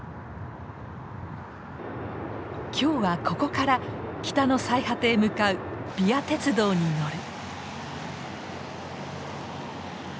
今日はここから北の最果てへ向かうＶＩＡ鉄道に乗る。